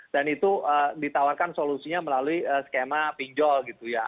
dan itu ditawarkan solusinya melalui skema pinjol gitu ya